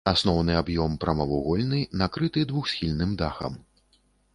Асноўны аб'ём прамавугольны, накрыты двухсхільным дахам.